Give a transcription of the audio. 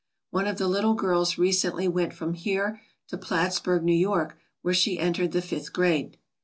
One of the little girls re cently went from here to Plattsburg, New York, where she entered the fifth grade.